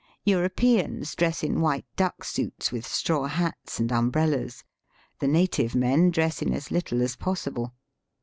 Europeans dress in white duck suits with straw hats and um brellas. The native men dress in as little as possible.